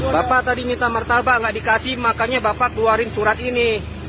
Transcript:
bapak tadi minta martabak nggak dikasih makanya bapak keluarin surat ini